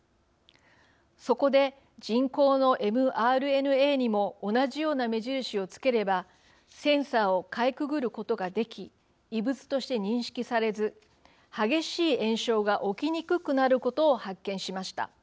そこで人工のｍＲＮＡにも同じような目印を付ければセンサーをかいくぐることができ異物として認識されず激しい炎症が起きにくくなることを発見しました。